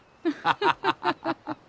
ハハハハハ。